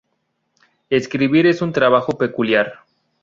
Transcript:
Escribir es un trabajo peculiar...